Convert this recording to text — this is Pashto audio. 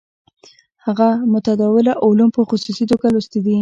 هغه متداوله علوم په خصوصي توګه لوستي دي.